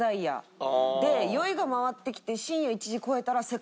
で酔いが回ってきて。